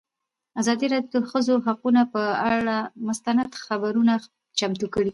ازادي راډیو د د ښځو حقونه پر اړه مستند خپرونه چمتو کړې.